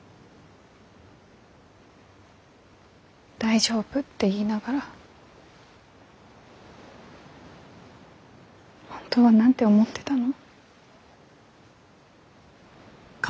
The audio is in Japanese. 大丈夫って言いながら本当は何て思ってたの？